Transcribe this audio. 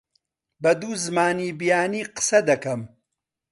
بە دوو زمانی بیانی قسە دەکەم.